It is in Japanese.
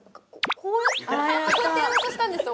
こうやってこうやってやろうとしたんですよ